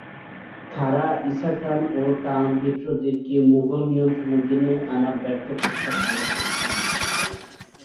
তাঁরা ঈসা খান ও তাঁর মিত্রদেরকে মুগল নিয়ন্ত্রণাধীনে আনার ব্যর্থ চেষ্টা চালাতে থাকেন।